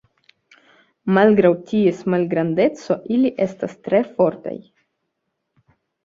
Malgraŭ ties malgrandeco, ili estas tre fortaj.